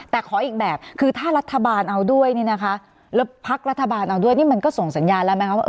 แต่ขออีกแบบคือถ้ารัฐบาลเอาด้วยเนี่ยนะคะแล้วพักรัฐบาลเอาด้วยนี่มันก็ส่งสัญญาณแล้วไหมคะว่า